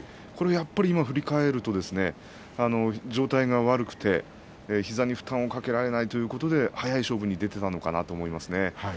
これはやっぱり今振り返ると状態が悪くて膝に負担をかけられないということで速い勝負に出ていたのかなと思いますね。